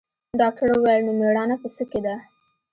ډاکتر وويل نو مېړانه په څه کښې ده.